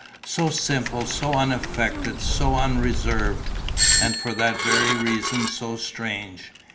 So simple, so unaffected, so unreserved; and for that very reason so strange.